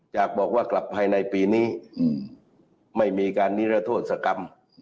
จากบอกว่ากลับภายในปีนี้ไม่มีการนิรโทษกรรม